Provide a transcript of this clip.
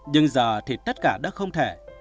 nhưng giờ thì tất cả đã không thể